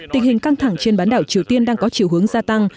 tình hình căng thẳng trên bán đảo triều tiên đang có chiều hướng gia tăng